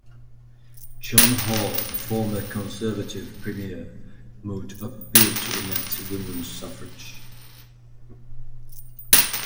John Hall, a former conservative premier, moved a Bill to enact women's suffrage.